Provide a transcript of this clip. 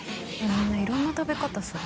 みんないろんな食べ方する。